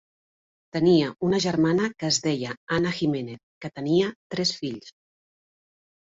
Tenia una germana que es deia Ana Jiménez, que tenia tres fills.